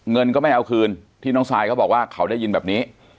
เงินก็ไม่เอาคืนที่น้องซายเขาบอกว่าเขาได้ยินแบบนี้